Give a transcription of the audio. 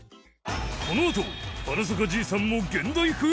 このあと『花さか爺さん』も現代風！？